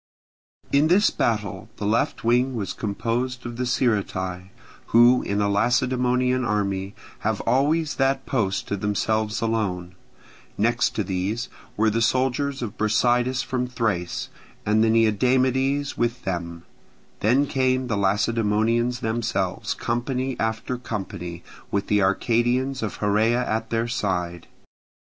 In this battle the left wing was composed of the Sciritae, who in a Lacedaemonian army have always that post to themselves alone; next to these were the soldiers of Brasidas from Thrace, and the Neodamodes with them; then came the Lacedaemonians themselves, company after company, with the Arcadians of Heraea at their side.